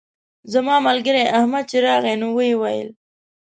زما ملګری احمد چې راغی نو ویې ویل.